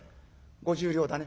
「５０両だね。